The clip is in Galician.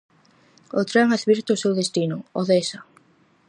O tren advirte o seu destino: Odesa.